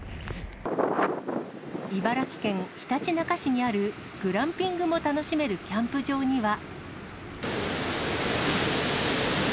茨城県ひたちなか市にある、グランピングも楽しめるキャンプ場には。